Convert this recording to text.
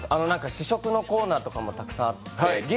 試食のコーナーとかもたくさんあって。